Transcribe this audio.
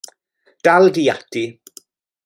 Dal di ati.